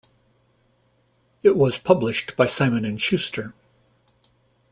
It was published by Simon and Schuster.